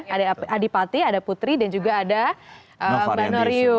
ada adipati ada putri dan juga ada mbak norio